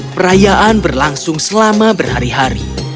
perayaan berlangsung selama berhari hari